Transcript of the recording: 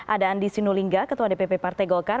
ada andi sinulinga ketua dpp partai golkar